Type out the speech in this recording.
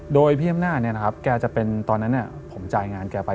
โดยพี่อำนาจเนี่ยนะครับแกจะเป็นตอนนั้นเนี่ยผมจ่ายงานแกไป